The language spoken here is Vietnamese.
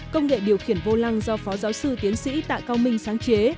công nghệ điều khiển vô lăng do phó giáo sư tiến sĩ tạ cao minh sáng chế